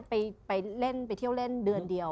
ไปเล่นเดือนเดียว